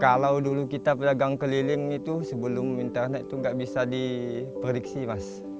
kalau dulu kita pedagang keliling itu sebelum internet itu nggak bisa di prediksi mas